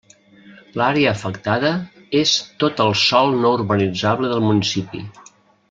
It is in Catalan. L'àrea afectada és tot el sòl no urbanitzable del municipi.